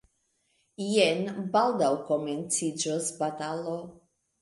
Jen baldaŭ komenciĝos batalo.